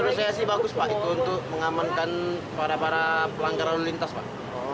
menurut saya sih bagus pak itu untuk mengamankan para para pelanggar lalu lintas pak